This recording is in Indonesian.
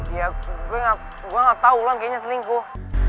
ya gue gak tau loan kayaknya selingkuh